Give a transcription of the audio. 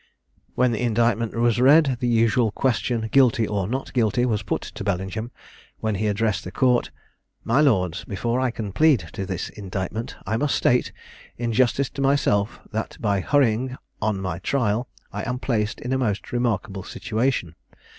When the indictment was read, the usual question, "Guilty, or not guilty?" was put to Bellingham; when he addressed the court: "My lords, Before I can plead to this indictment, I must state, in justice to myself, that by hurrying on my trial I am placed in a most remarkable situation.